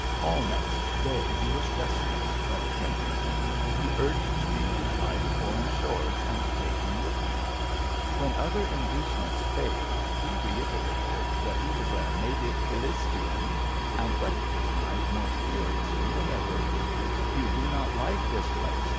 All next day he was restless but attentive. He urged me to fly to foreign shores, and take him with me. When other inducements failed, he reiterated that he was a native ki lis ti an,'' and whetted his knife more furiously than ever. Tou do not like this place.